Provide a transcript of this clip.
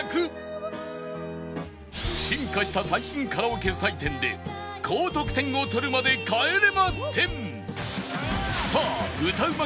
進化した最新カラオケ採点で高得点を取るまで帰れま点！